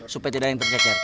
supaya tidak yang tercecer